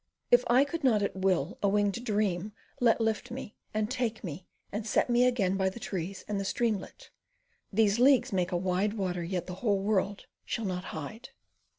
If I could not at will a winged dream let Lift me and take me and set Me again by the trees and the streamlet; These leagues make a wide water, yet The whole world shall not hide.